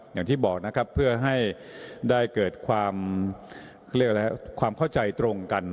อย่างที่บอกนะครับเพื่อให้ได้เกิดความเรียกอะไรความเข้าใจตรงกัน